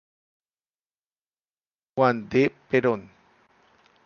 Juan D. Perón.